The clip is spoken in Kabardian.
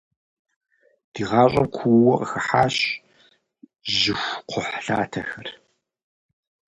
Ди гъащӏэм куууэ къыхыхьащ жьыхукхъухьлъатэхэр.